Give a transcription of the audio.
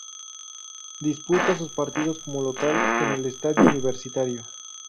Disputa sus partidos como local en el Estadio Universitario.